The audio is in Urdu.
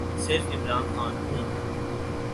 صرف عمران خان ہوں۔